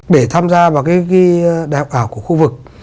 để tham gia vào cái đại học ảo của khu vực